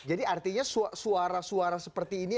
jadi artinya suara suara seperti ini